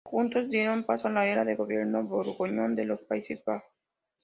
Juntos dieron paso a la era de gobierno borgoñón de los Países Bajos.